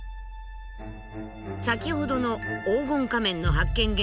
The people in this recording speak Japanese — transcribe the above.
先ほどの黄金仮面の発見